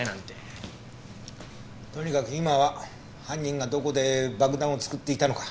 とにかく今は犯人がどこで爆弾を作っていたのか。